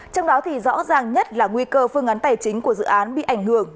trong đó thì rõ ràng nhất là nguy cơ phương án tài chính của dự án bị ảnh hưởng